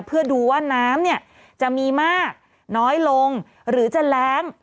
เพื่อดูว่าน้ำเนี่ยจะมีมากน้อยลงหรือจะแรง